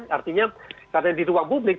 artinya karena di ruang publik